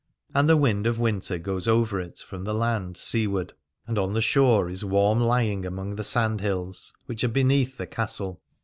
And the wind of winter goes over it from the land ^ seaward : and on the shore is warm lying among the sand hills 284 Aladore which are beneath the castle.